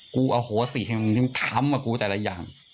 อโหสิให้มึงทำกับกูแต่ละอย่าง